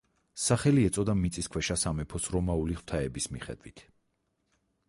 სახელი ეწოდა მიწისქვეშა სამეფოს რომაული ღვთაების მიხედვით.